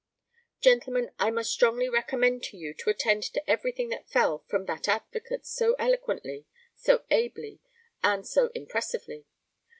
Gentlemen, I must strongly recommend to you to attend to everything that fell from that advocate, so eloquently, so ably, and so impressively.